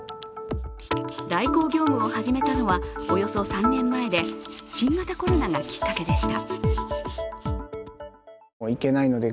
代行業務を始めたのはおよそ３年前で、新型コロナがきっかけでした。